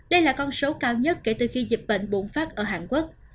đây là con số cao nhất kể từ khi dịch bệnh bùng phát ở hàn quốc